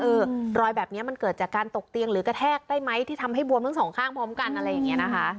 รอยแบบนี้มันเกิดจากการตกเตียงหรือกระแทกได้ไหมที่ทำให้บวมทั้งสองข้างพร้อมกันอะไรอย่างนี้นะคะ